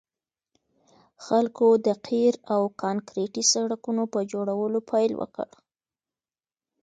خلکو د قیر او کانکریټي سړکونو په جوړولو پیل وکړ